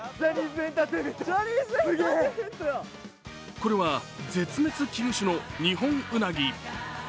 これは絶滅危惧種のニホンウナギ。